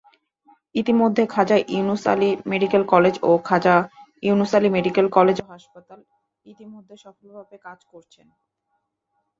ইতিমধ্যে Khwaja Yunus Ali medical college ও Khwaja Yunus Ali medical college ও হাসপাতাল ইতিমধ্যে সফলভাবে কাজ করছেন।